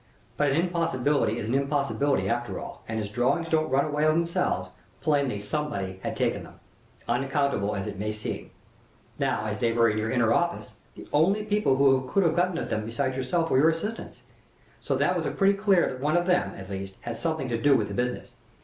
But an impossibility is an impossibility, after all, and as drawings don't run away of themselves, plainly somebody had taken them, unaccountable as it might seem. Now, as they were in your inner office, the only people who could have got at them besides yourself were your assistants, so that it was pretty clear that one of them, at least, had something to do with the business.